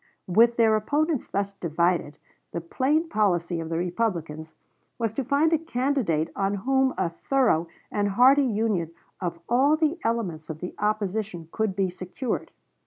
With their opponents thus divided, the plain policy of the Republicans was to find a candidate on whom a thorough and hearty union of all the elements of the opposition could be secured.